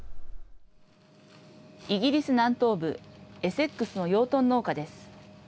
イギリス南東部エセックスの養豚農家です。